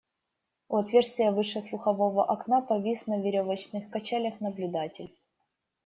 У отверстия выше слухового окна повис на веревочных качелях наблюдатель.